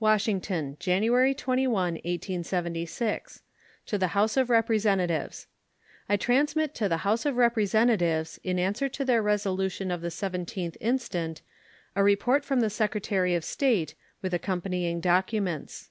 WASHINGTON, January 21, 1876. To the House of Representatives: I transmit to the House of Representatives, in answer to their resolution of the 17th instant, a report from the Secretary of State, with accompanying documents. U.S.